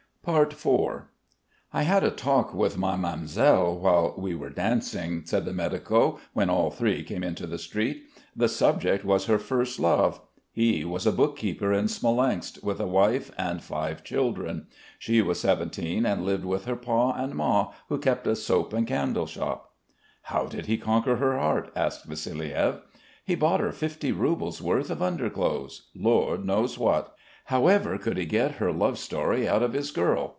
IV "I had a talk with my mam'selle while we were dancing," said the medico when all three came into the street. "The subject was her first love. He was a bookkeeper in Smolensk with a wife and five children. She was seventeen and lived with her pa and ma who kept a soap and candle shop." "How did he conquer her heart?" asked Vassiliev. "He bought her fifty roubles' worth of underclothes Lord knows what!" "However could he get her love story out of his girl?"